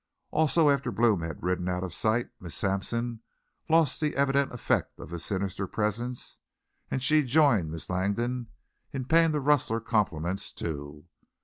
Also, after Blome had ridden out of sight, Miss Sampson lost the evident effect of his sinister presence, and she joined Miss Langdon in paying the rustler compliments, too.